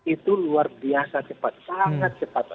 itu luar biasa cepat sangat cepat